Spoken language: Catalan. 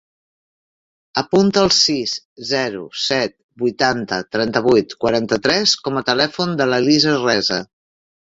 Apunta el sis, zero, set, vuitanta, trenta-vuit, quaranta-tres com a telèfon de l'Elisa Resa.